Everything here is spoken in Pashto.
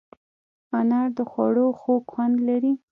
انار د خوړو خوږ خوند لري.